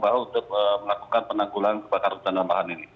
dan juga untuk masyarakat yang melakukan penanggulan kebakaran hutan dan bahan ini